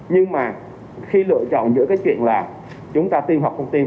nhưng mà khi lựa chọn giữa cái chuyện là chúng ta tiêm hoặc không tiêm